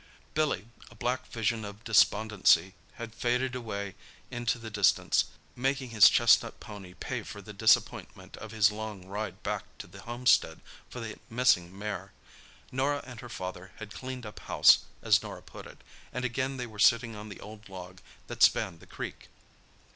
Billy, a black vision of despondency, had faded away into the distance, making his chestnut pony pay for the disappointment of his long ride back to the homestead for the missing mare. Norah and her father had "cleaned up house," as Norah put it, and again they were sitting on the old log that spanned the creek.